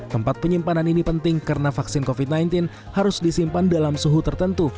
tempat penyimpanan ini penting karena vaksin covid sembilan belas harus disimpan dalam suhu tertentu